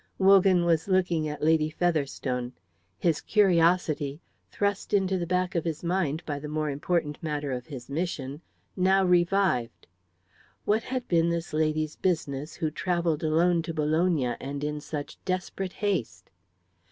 Wogan was looking at Lady Featherstone. His curiosity, thrust into the back of his mind by the more important matter of his mission now revived. What had been this lady's business who travelled alone to Bologna and in such desperate haste?